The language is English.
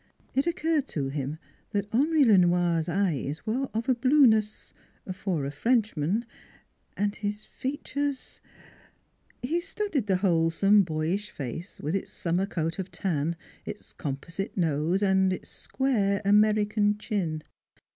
It occurred to him that Henri Le Noir's eyes were of a blueness for a Frenchman, and his features He studied the wholesome 192 NEIGHBORS boyish face, with its summer coat of tan, its com posite nose and its square American chin.